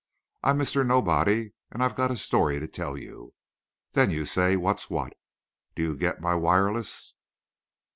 I'm Mr. Nobody; and I've got a story to tell you. Then you say what's what. Do you get my wireless?"